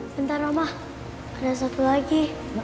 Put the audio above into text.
bentar ma ada satu lagi